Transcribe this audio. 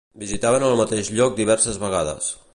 Visitaven el mateix lloc diverses vegades.